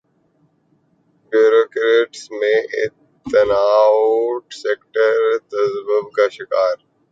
bureaucrats میں تنا اٹو سیکٹر تذبذب کا شکار